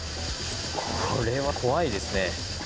これは怖いですね。